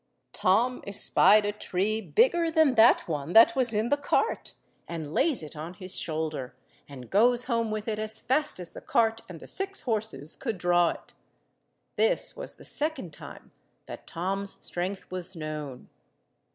Tom espied a tree bigger than that one that was in the cart, and lays it on his shoulder, and goes home with it as fast as the cart and the six horses could draw it. This was the second time that Tom's strength was known.